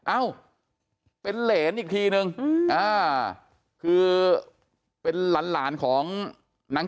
เอ้าเป็นเหรนอีกทีนึงคือเป็นหลานของนาง